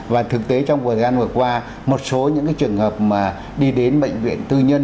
và thực tế trong thời gian vừa qua một số những trường hợp mà đi đến bệnh viện tư nhân